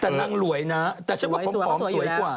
แต่นางหลวยนะแต่ฉันว่าผอมสวยกว่า